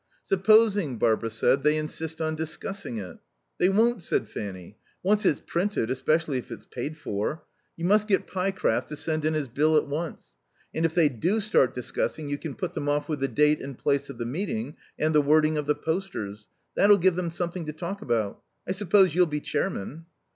"Supposing," Barbara said, "they insist on discussing it?" "They won't," said Fanny, "once it's printed, especially if it's paid for. You must get Pyecraft to send in his bill at once. And if they do start discussing you can put them off with the date and place of the meeting and the wording of the posters. That'll give them something to talk about. I suppose you'll be chairman."